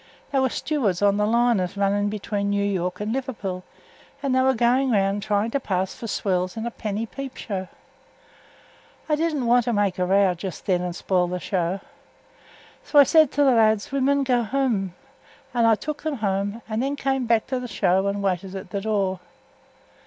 They were stewards on the liners running between New York and Liverpool, and they were going round trying to pass for swells in a penny peep show. I didn't want to make a row just then and spoil the show, so I said to th' lads, we mun go hooum, and I took 'em hooum, and then come back to th' show and waited at th' door.